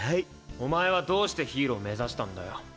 お前はどうしてヒーローを目指したんだよ。